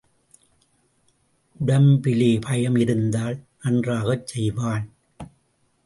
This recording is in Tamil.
உடம்பிலே பயம் இருந்தால் நன்றாகச் செய்வான்.